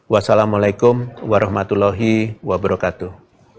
wassalamu'alaikum warahmatullahi wabarakatuh